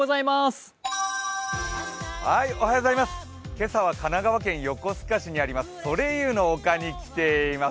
今朝は、神奈川県横須賀市にあります、ソレイユの丘に来ています。